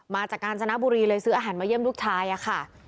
กาญจนบุรีเลยซื้ออาหารมาเยี่ยมลูกชายค่ะ